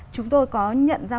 chúng tôi có nhận ra